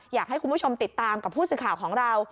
อยากให้คุณผู้ชมติดตามกับผู้สื่อข่าวของเรา